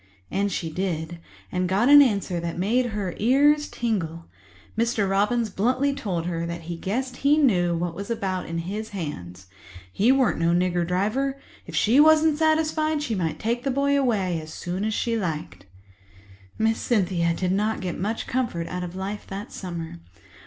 And she did—and got an answer that made her ears tingle. Mr. Robins bluntly told her he guessed he knew what was what about his hands. He weren't no nigger driver. If she wasn't satisfied, she might take the boy away as soon as she liked. Miss Cynthia did not get much comfort out of life that summer.